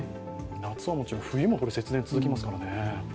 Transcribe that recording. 夏はもちろん冬も節電続きますからね。